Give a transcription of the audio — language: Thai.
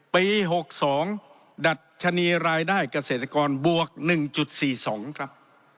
ปี๖๒ดัชนีรายได้เกษตรกรบวก๑๔๒ครับ